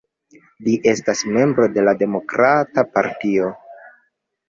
Li estas membro de la Demokrata Partio.